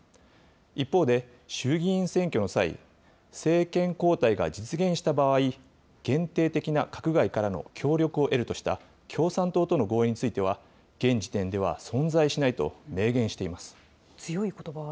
一方で、衆議院選挙の際、政権交代が実現した場合、限定的な閣外からの協力を得るとした共産党との合意については、現時点では存在しないと、明言しています。